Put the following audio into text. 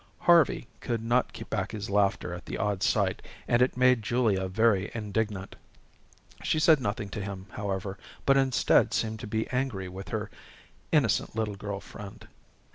Harvey could not keep back his laughter at the odd sight, and it made Julia very indignant. She said nothing to him, however, but instead seemed to be angry with her innocent little girl friend.